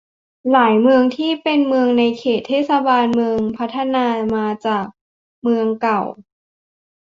หลายเมืองที่เป็นเมืองในเขตเทศบาลเมืองพัฒนามาจากเมืองเก่า